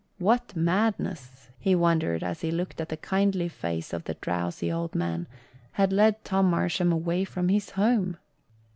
What madness he wondered as he looked at the kindly face of the drowsy old man had led Tom Marsham away from his home?